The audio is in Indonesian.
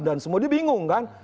dan semua dia bingung kan